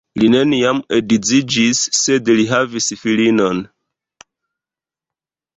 Li neniam edziĝis, sed li havis filinon.